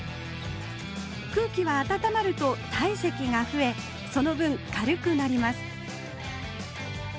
空気は温まると体積が増えその分軽くなります